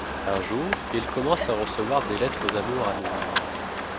Un jour, il commence à recevoir des lettres d'amour anonymes.